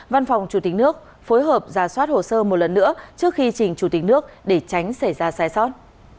văn phòng chủ tịch nước phối hợp ra soát hồ sơ một lần nữa trước khi trình chủ tịch nước để tránh xảy ra sai sót